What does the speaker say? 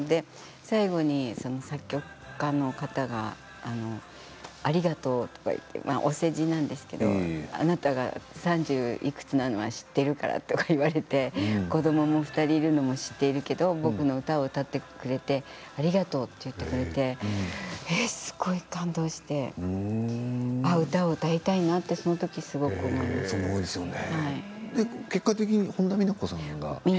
最後に作曲家の方がありがとうとか言ってお世辞なんですけどあなたが三十いくつなのは知ってるから、って言われて子どもが２人いるのも知っているけど僕の歌を歌ってくれてありがとうって言ってくれてすごい感動して歌を歌いたいなってその時すごく思いましたね。